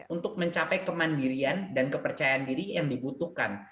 untuk mencapai kemandirian dan kepercayaan diri yang dibutuhkan